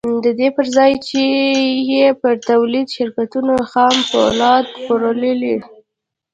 د دې پر ځای یې پر تولیدي شرکتونو خام پولاد پلورل